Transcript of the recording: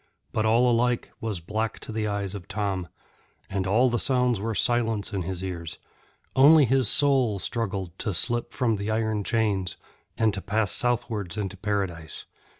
But all alike was black to the eyes of Tom, and all the sounds were silence in his ears; only his soul struggled to slip from the iron chains and to pass southwards into Paradise.